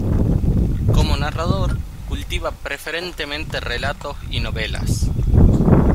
Como narrador, cultiva preferentemente relatos y novelas.